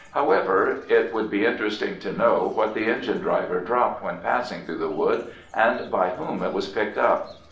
However, it would be interesting to know what the engine driver dropped when passing through the wood, and by whom it was picked up.